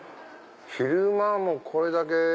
昼間もこれだけね。